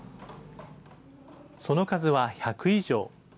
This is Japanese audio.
その数は１００以上。